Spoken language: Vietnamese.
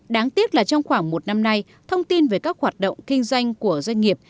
đáng tiếc là trong khoảng một năm nay thông tin về các hoạt động kinh doanh của doanh nghiệp